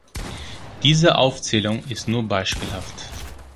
Diese Aufzählung ist nur beispielhaft.